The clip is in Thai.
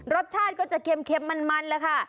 รสชาติก็จะเค็มมันแล้วค่ะ